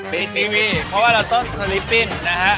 ปิดทีวีเพราะว่าเราต้นสะลิปปิ้น